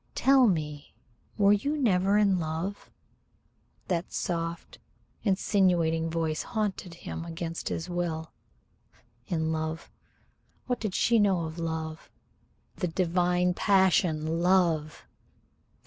"Tell me, were you never in love?" That soft, insinuating voice haunted him against his will. In love? What did she know of love the divine passion? Love!